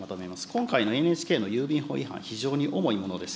今回のＮＨＫの郵便法違反、非常に重いものです。